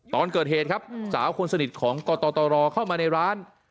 ตอนเกิดเหตุครับสาวคนสนิทของกตรเข้ามาในร้าน